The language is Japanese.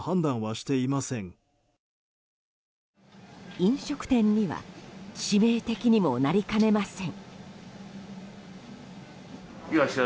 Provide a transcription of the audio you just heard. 飲食店には致命的にもなりかねません。